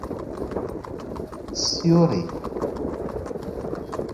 سیوری